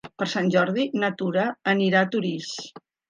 Per Sant Jordi na Tura anirà a Torís.